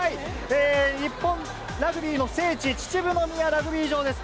日本ラグビーの聖地、秩父宮ラグビー場です。